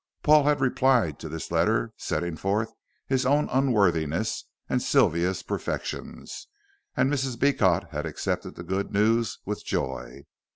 Paul had replied to this letter setting forth his own unworthiness and Sylvia's perfections, and Mrs. Beecot had accepted the good news with joy.